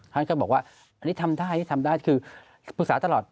ท่านก็บอกว่าอันนี้ทำได้คือปรึกษาตลอด